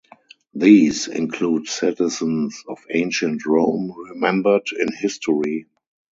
These include citizens of ancient Rome remembered in history.